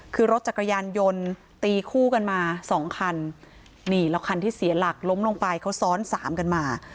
คือรถจักรยานยนต์ตีคู่กันมาสองคันนี่แล้วคันที่เสียหลักล้มลงไปเขาซ้อนสามกันมา